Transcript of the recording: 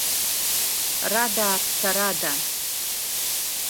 Рада ааԥса, рада.